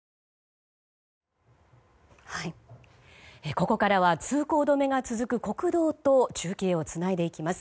ここからは通行止めが続く国道と中継をつないでいきます。